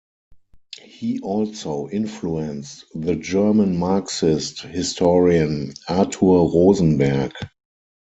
He also influenced the German Marxist historian Arthur Rosenberg.